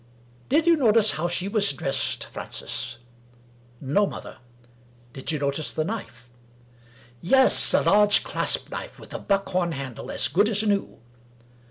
" Did you notice how she was dressed, Francis ?"" No, mother." " Did you notice the knife ?" "Yes. A large clasp knife, with a buckhorn handle, as good as new."